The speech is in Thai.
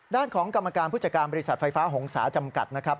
ด้านของกรรมการผู้จัดการบริษัทไฟฟ้าหงษาจำกัดนะครับ